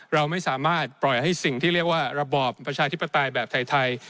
เราไม่สามารถปล่อยให้สิ่งที่เรียกว่าระบอบประชาธิปไตยแบบไทย